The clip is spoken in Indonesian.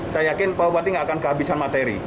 saya yakin pak bupati nggak akan kehabisan materi